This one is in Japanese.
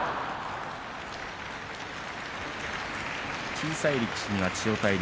小さい力士には千代大龍